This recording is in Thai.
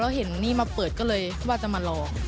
แล้วเห็นตรงนี้มาเปิดก็เลยว่าจะมาลอง